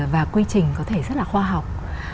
và quy trình có thể rất là khoa học